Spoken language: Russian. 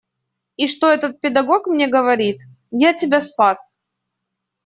И что этот педагог мне говорит: я тебя спас.